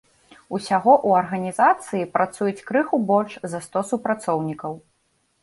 Усяго ў арганізацыі працуюць крыху больш за сто супрацоўнікаў.